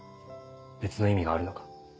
別の意味があるのか？